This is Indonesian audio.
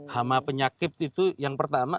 hama penyakit itu yang pertama